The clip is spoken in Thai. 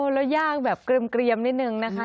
แล้วย่างแบบเกลียมนิดนึงนะคะ